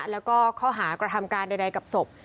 แล้วก็ข้อหากระทำการใดกับศพ